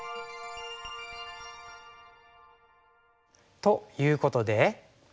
ということで。